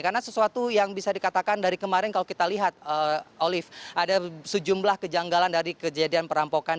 karena sesuatu yang bisa dikatakan dari kemarin kalau kita lihat olive ada sejumlah kejanggalan dari kejadian perampokan